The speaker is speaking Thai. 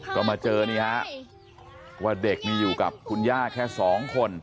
ก็มาเจอนี่ฮะว่าเด็กมีอยู่กับคุณย่าแค่สองคน